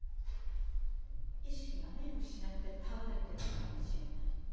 意識がね失って倒れてるかもしれないって。